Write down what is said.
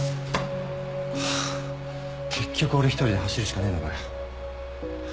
ハァ結局俺一人で走るしかねえのかよ